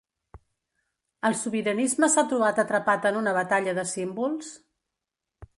El sobiranisme s’ha trobat atrapat en una batalla de símbols?